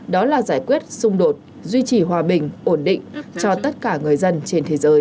đó là giải quyết xung đột duy trì hòa bình ổn định cho tất cả người dân trên thế giới